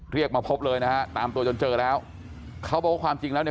เรียกมาพบเลยนะฮะตามตัวจนเจอแล้วเขาบอกว่าความจริงแล้วเนี่ย